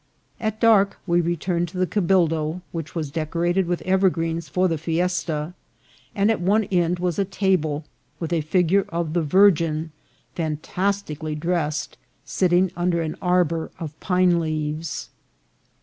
At dark we returned to the cabildo, which was dec orated with evergreens for the fiesta, and at one end was a table, with a figure of the Virgin fantastically dressed, sitting under an arbour of pine leaves.